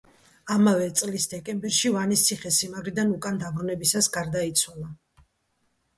ამავე წლის დეკემბერში ვანის ციხესიმაგრიდან უკან დაბრუნებისას გარდაიცვალა.